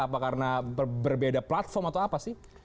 apa karena berbeda platform atau apa sih